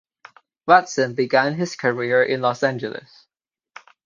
Watson began his career in Los Angeles.